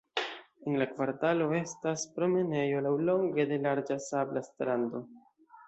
En la kvartalo estas promenejo laŭlonge de larĝa sabla strando.